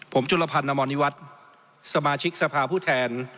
ผมจุลพันธ์อมรณิวัฒน์สมาชิกสภาผู้แทน